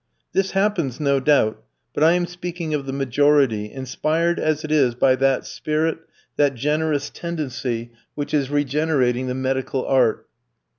This happens, no doubt; but I am speaking of the majority, inspired as it is by that spirit, that generous tendency which is regenerating the medical art.